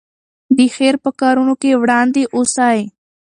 د خیر په کارونو کې وړاندې اوسئ.